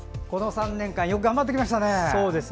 この３年間よく頑張ってきましたね。